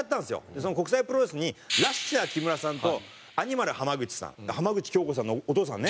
その国際プロレスにラッシャー木村さんとアニマル浜口さん浜口京子さんのお父さんね。